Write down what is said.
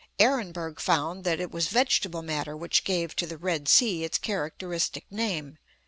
Ehrenberg found that it was vegetable matter which gave to the Red Sea its characteristic name.